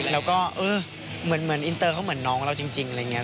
แล้วก็เออเหมือนอินเตอร์เขาเหมือนน้องเราจริงอะไรอย่างนี้